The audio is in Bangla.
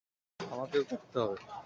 আমাকেও করতে হবে।